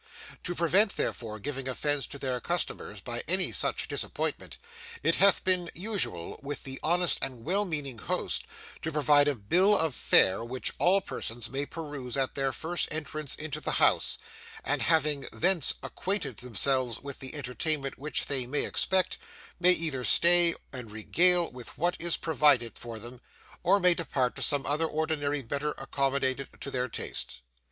"To prevent, therefore, giving offence to their customers by any such disappointment, it hath been usual with the honest and well meaning host to provide a bill of fare, which all persons may peruse at their first entrance into the house; and having thence acquainted themselves with the entertainment which they may expect, may either stay and regale with what is provided for them, or may depart to some other ordinary better accommodated to their taste."